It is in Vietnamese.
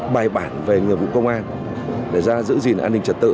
bài bản về nhiệm vụ công an để giữ gìn an ninh trật tự